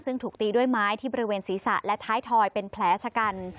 ซึ่งถูกตีด้วยไม้ที่บริเวณศีรษะและท้ายทอยเป็นแผลชะกัน